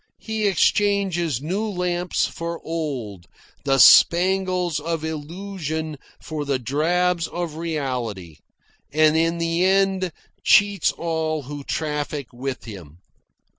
He exchanges new lamps for old, the spangles of illusion for the drabs of reality, and in the end cheats all who traffic with him.